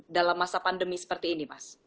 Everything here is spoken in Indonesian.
dalam masa pandemi seperti ini mas